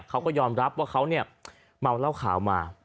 เขาก็ยอมรับว่าเขาเนี่ยเมาเหล้าขาวมา